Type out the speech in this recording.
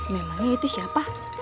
memangnya itu siapa